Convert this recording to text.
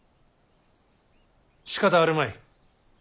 しかたあるまい。